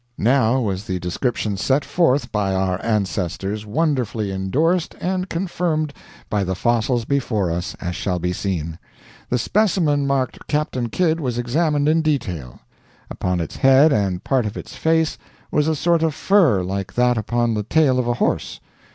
"Now was the description set forth by our ancestors wonderfully indorsed and confirmed by the fossils before us, as shall be seen. The specimen marked 'Captain Kidd' was examined in detail. Upon its head and part of its face was a sort of fur like that upon the tail of a horse.